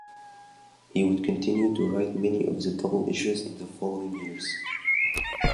He would continue to write many of the double issues in the following years.